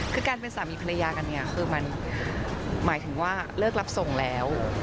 คือการเป็นสามีภรรยากันเนี่ยคือมันหมายถึงว่าเลิกรับส่งแล้ว